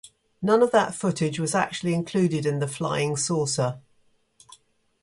None of that footage was actually included in "The Flying Saucer".